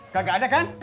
kagak ada kan